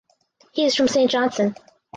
He is from St Johnston.